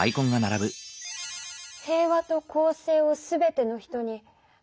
「平和と公正をすべての人に」。